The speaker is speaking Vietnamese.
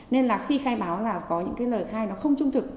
nên là khi khai báo là có những cái lời khai nó không trung thực